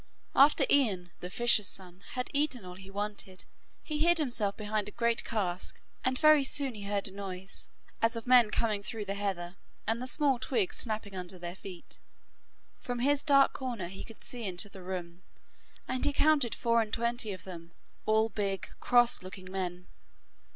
After Ian, the fisher's son, had eaten all he wanted, he hid himself behind a great cask, and very soon he heard a noise, as of men coming through the heather, and the small twigs snapping under their feet. From his dark corner he could see into the room, and he counted four and twenty of them, all big, cross looking men.